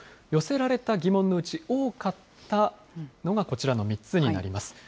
寄せられた疑問のうち多かったのがこちらの３つになります。